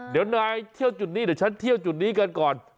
เดี๋ยวนายเที่ยวจุดนี้เดี๋ยวฉันเที่ยวจุดนี้กันก่อน